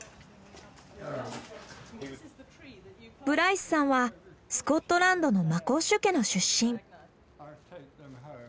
ブライスさんはスコットランドのマコッシュ家の出身。